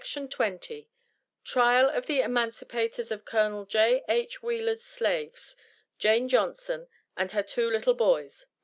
TRIAL OF THE EMANCIPATORS OF COL. J.H. WHEELER'S SLAVES, JANE JOHNSON AND HER TWO LITTLE BOYS.